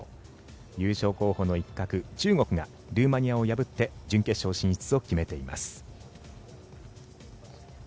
優勝候補の一角、中国がルーマニアを破って準決勝進出を決めています。